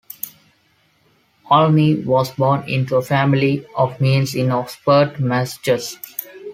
Olney was born into a family of means in Oxford, Massachusetts.